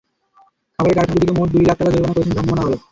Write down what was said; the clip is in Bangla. খাবারের কারখানা দুটিকে মোট দুই লাখ টাকা জরিমানা করেছেন ভ্রাম্যমাণ আদালত।